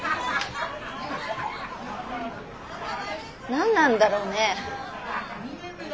何なんだろうね。